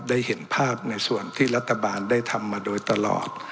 ได้เห็นภาพในส่วนที่รัฐบาลได้ทำมาโดยตลอด